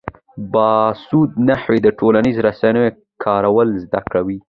باسواده نجونې د ټولنیزو رسنیو کارول زده کوي.